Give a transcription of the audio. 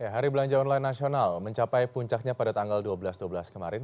hari belanja online nasional mencapai puncaknya pada tanggal dua belas dua belas kemarin